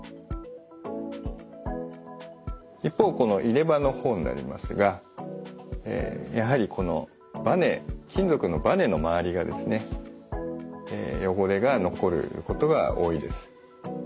一方この入れ歯の方になりますがやはりこのバネ金属のバネの周りがですね汚れが残ることが多いです。